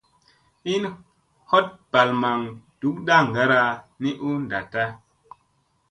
Hin hat balamaŋ duk ndaŋgara ni u ndatta.